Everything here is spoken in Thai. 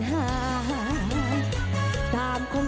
เตรียมพับกรอบ